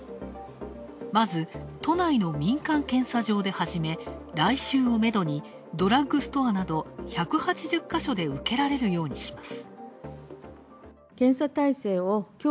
まず、都内の民間検査場で始め来週をめどにドラッグストアなど１８０か所で受けられるようにします。